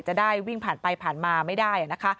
จะได้วิ่งผ่านไปผ่านมาไม่ได้นะคะ